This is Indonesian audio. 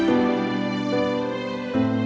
dia berada di sini